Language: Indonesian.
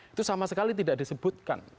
itu sama sekali tidak disebutkan